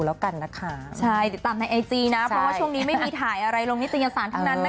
เวลาทุกคนก็ลงไอจีก็ยิ่งกว่าถ่ายเลยนะ